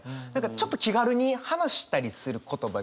ちょっと気軽に話したりする言葉じゃないですか。